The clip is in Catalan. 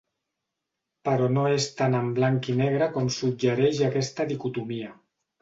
Però no és tan en blanc i negre com suggereix aquesta dicotomia.